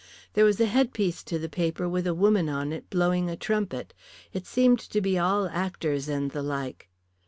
There was a headpiece to the paper with a woman on it blowing a trumpet. It seemed to be all actors and the like.